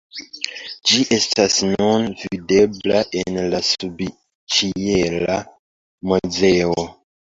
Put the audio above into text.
Ĝi estas nun videbla en la subĉiela muzeo.